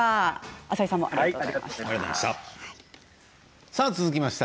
浅井さんもありがとうございました。